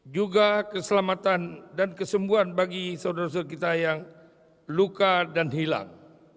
juga keselamatan dan kesembuhan bagi saudara saudara kita yang luka dan hilang